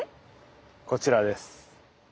こちらです。